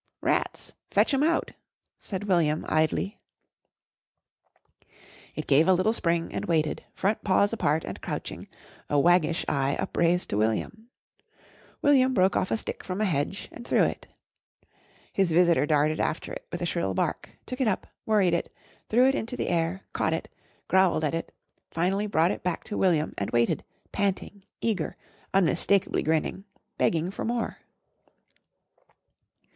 "Rats! Fetch 'em out!" said William idly. [Illustration: IT STOPPED IN FRONT OF WILLIAM WITH A GLAD BARK OF WELCOME.] It gave a little spring and waited, front paws apart and crouching, a waggish eye upraised to William. William broke off a stick from the hedge and threw it. His visitor darted after it with a shrill bark, took it up, worried it, threw it into the air, caught it, growled at it, finally brought it back to William and waited, panting, eager, unmistakably grinning, begging for more.